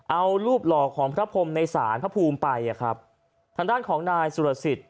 เอารูปหล่อของพระพรมในศาลพระภูมิไปอ่ะครับทางด้านของนายสุรสิทธิ